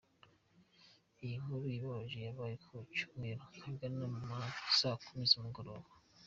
Iyi nkuru ibabaje yabaye ku cyumweru ahagana mu ma saa kumi z’umugoroba.